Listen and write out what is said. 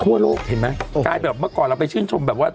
ขั้นมีลูกเห็นไหมงั้นแบบเมื่อก่อนเราไปชื่นชมแบบว่า